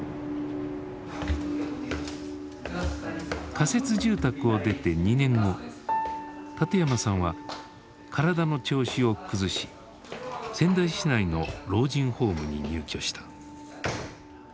仮設住宅を出て２年後館山さんは体の調子を崩し仙台市内の老人ホームに入居した。